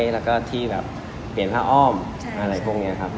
และที่เปลี่ยนผ้าอ้อมอะไรกรุงนี้ครับ